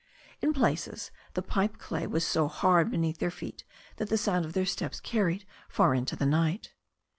In places the pipe clay was so hard beneath their feet that the sound of their steps carried far into the night.